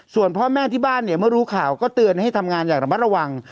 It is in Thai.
ส่วนพ่อแม่ที่บ้านเนี่ยเมื่อรู้ข่าวก็เตือนให้ทำงานอย่างระมัดระวัง